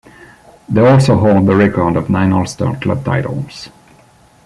They also hold the record of nine Ulster club titles.